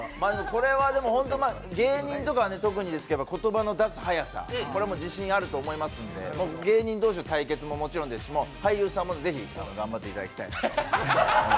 これは芸人とかは特にですけど言葉の出すはやさこれもう自信あると思いますし、芸人同士の対決もそうですし俳優さんもぜひ頑張っていただきたい。